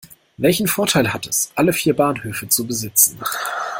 Welchen Vorteil hat es, alle vier Bahnhöfe zu besitzen?